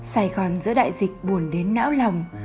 sài gòn giữa đại dịch buồn đến não lòng